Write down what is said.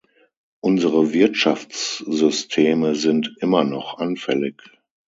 Unsere Wirtschaftssysteme sind immer noch anfällig.